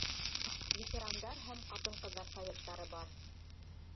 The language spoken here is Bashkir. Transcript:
Ветерандар һәм ҡатын-ҡыҙҙар советтары бар.